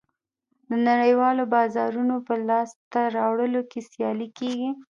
د نړیوالو بازارونو په لاسته راوړلو کې سیالي کېږي